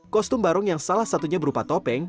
kostum barong yang salah satunya berupa topeng